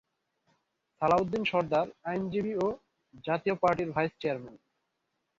সালাউদ্দিন সরদার আইনজীবী ও জাতীয় পার্টির ভাইস চেয়ারম্যান।